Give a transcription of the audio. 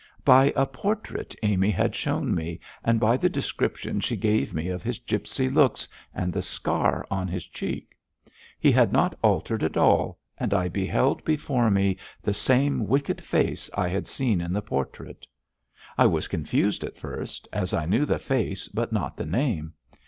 'By a portrait Amy had shown me, and by the description she gave me of his gipsy looks and the scar on his cheek. He had not altered at all, and I beheld before me the same wicked face I had seen in the portrait. I was confused at first, as I knew the face but not the name.